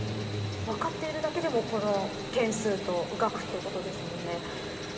分かってるだけでもこの額、件数ということですもんね。